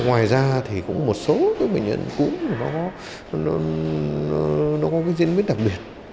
ngoài ra một số bệnh nhân cúm có diễn biến đặc biệt